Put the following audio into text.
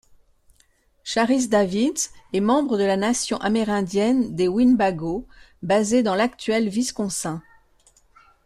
Sharice Davids est membre de la nation amérindienne des Winnebagos basée dans l'actuel Wisconsin.